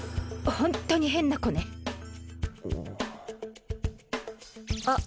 ホントに変な子ねあっ